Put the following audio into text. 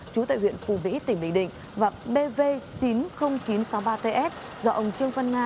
chú tại huyện phù mỹ tỉnh bình định và bv chín mươi nghìn chín trăm sáu mươi ba ts do ông trương văn nga